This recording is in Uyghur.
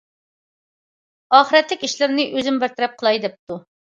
ئاخىرەتلىك ئىشلىرىنى ئۆزۈم بىر تەرەپ قىلاي.- دەپتۇ.